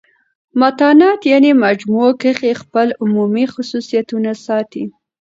متانت یعني مجموع کښي خپل عمومي خصوصیتونه ساتي.